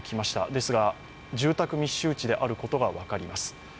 ですが、住宅密集地であることが分かります。